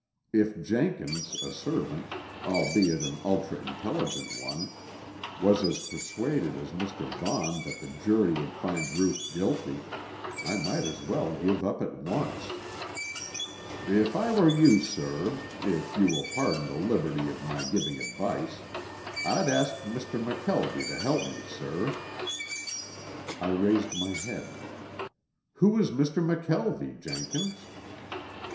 If Jenkins, a servant, albeit an ultra intelligent one, was as persuaded as Mr. Vaughn that the jury would find Ruth guilty, I might as well give up at once. "If I were you, sir, if you will pardon the liberty of my giving advice, I'd ask Mr. McKelvie to help me, sir." I raised my head. "Who is Mr. McKelvie, Jenkins?"